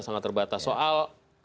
sangat terbatas soal